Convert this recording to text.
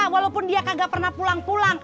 walaupun dia kagak pernah pulang pulang